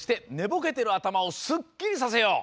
ぼけてるあたまをすっきりさせよう！